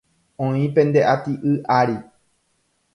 Oĩ pende ati'y ári